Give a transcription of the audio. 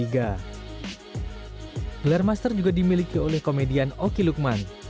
gelar master juga dimiliki oleh komedian oki lukman